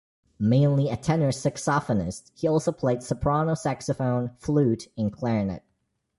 Mainly a tenor saxophonist, he also played soprano saxophone, flute, and clarinet.